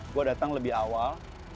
gue datang lebih awal